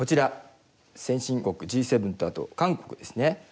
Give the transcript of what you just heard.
先進国Ｇ７とあと韓国ですね。